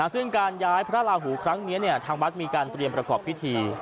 ซึ่งการย้ายพระราหูครั้งนี้ทางวัดมีการเตรียมประกอบพิธี